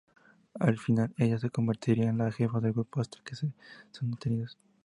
Al final, ella se convertirá en la jefa del grupo hasta que son detenidos.